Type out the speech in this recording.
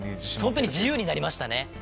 本当に自由になりましたね。